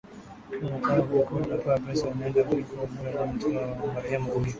ukiwa unataka kurekodi unapewa pesa unaenda kuliko kuja mtu mmoja mmoja Marehemu Ruge